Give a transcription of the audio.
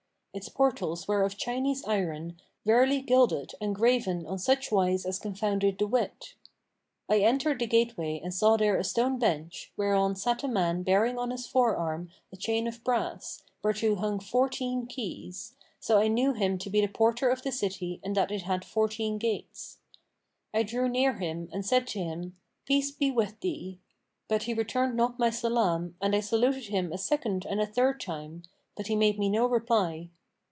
Its portals were of Chinese iron, rarely gilded and graven on such wise as confounded the wit. I entered the gateway and saw there a stone bench, whereon sat a man bearing on his forearm a chain of brass, whereto hung fourteen keys; so I knew him to be the porter of the city and that it had fourteen gates. I drew near him and said to him 'Peace be with thee!'; but he returned not my salam and I saluted him a second and a third time; but he made me no reply.